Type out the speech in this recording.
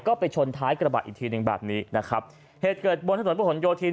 ก็ไปชนท้ายกระบะอีกทีหนึ่งแบบนี้นะครับเหตุเกิดบนถนนประหลโยธิน